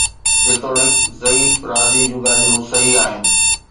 جيتوڻيڪ ضعيف، رازي جون ڳالهيون صحيح آهن